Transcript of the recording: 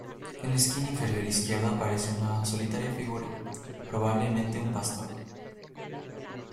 En la esquina inferior izquierda aparece una solitaria figura, probablemente un pastor.